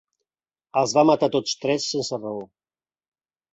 Els va matar tots tres sense raó.